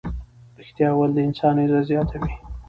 ریښتیا ویل د انسان عزت زیاتوي.